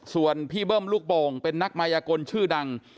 ส่วนพี่เบิ้มลูกโป่งเป็นนักมายกลชื่อดัง